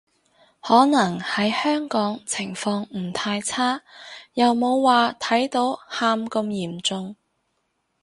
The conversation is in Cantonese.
可能喺香港情況唔太差，又冇話睇到喊咁嚴重